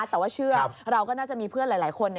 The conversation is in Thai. แต่ว่าเชื่อเราก็น่าจะมีเพื่อนหลายคน